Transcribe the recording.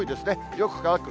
よく乾く。